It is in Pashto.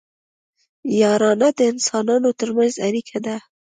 یارانه د انسانانو ترمنځ اړیکه ده